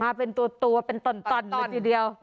มาเป็นตัวเป็นต่อนเลยทีเดียว